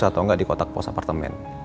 atau enggak di kotak pos apartemen